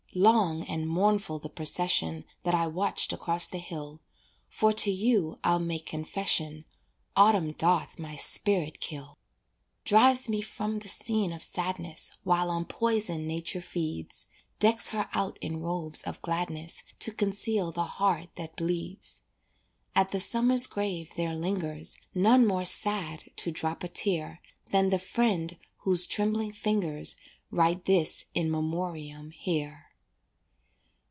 Long and mournful the procession That I watched across the hill, For to you I'll make confession, Autumn doth my spirit kill. Drives me from the scene of sadness While on poison nature feeds; Decks her out in robes of gladness To conceal the heart that bleeds; At the summer's grave there lingers None more sad to drop a tear Than the friend whose trembling fingers Write this in memoriam here.